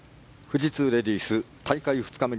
富士通レディース大会２日目。